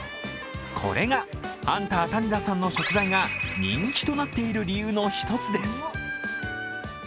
これがハンター・谷田さんの食材が人気となっている理由の一つです。